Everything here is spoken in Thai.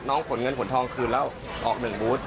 ขนเงินขนทองคืนแล้วออก๑บูธ